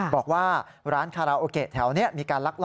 บอกว่าร้านคาราโอเกะแถวนี้